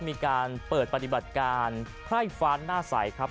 มีการเปิดปฏิบัติการไพร่ฟ้านหน้าใสครับ